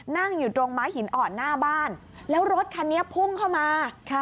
นั่งอยู่ตรงม้าหินอ่อนหน้าบ้านแล้วรถคันนี้พุ่งเข้ามา